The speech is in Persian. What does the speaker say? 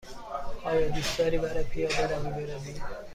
آیا دوست داری برای پیاده روی بروی؟